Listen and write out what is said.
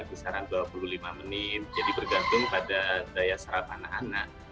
kisaran dua puluh lima menit jadi bergantung pada daya sarap anak anak